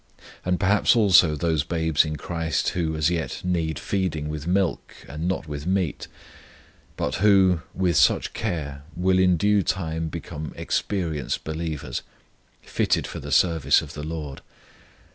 And perhaps also those babes in CHRIST who as yet need feeding with milk and not with meat, but who, with such care, will in due time become experienced believers, fitted for the service of the LORD?